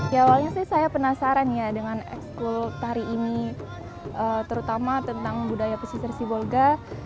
ya awalnya sih saya penasaran ya dengan ekskul tari ini terutama tentang budaya pesisir sibolga